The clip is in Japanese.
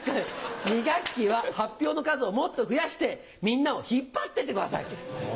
「二学期は発表の数をもっとふやしてみんなをひっぱっていってください」。